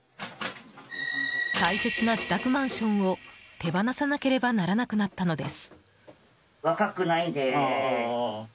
大切な自宅マンションを手放さなければならなくなったのです。